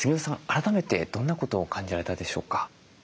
改めてどんなことを感じられたでしょうか？